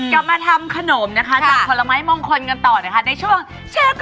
กลับมาทำขนมนะคะจากผลไม้มงคลกันต่อนะคะในช่วงเชฟต่อ